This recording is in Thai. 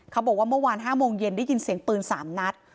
เขาบอกว่าเมื่อวาน๕โมงเย็นได้ยินเสียงปืน๓นัด